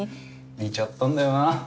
煮ちゃったんだよな。